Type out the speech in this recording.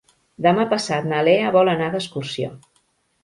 Demà passat na Lea vol anar d'excursió.